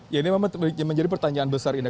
ya ini memang menjadi pertanyaan besar ini